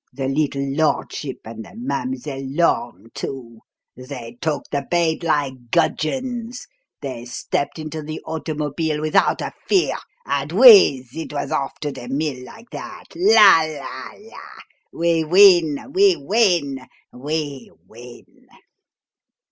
The little lordship and the Mademoiselle Lorne, too! They took the bait like gudgeons; they stepped into the automobile without a fear, and whizz! it was off to the mill like that! La, la, la! We win, we win, we win!"